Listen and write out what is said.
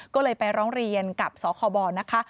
ก็เลยไปร้องเรียนกับสคบนะคะ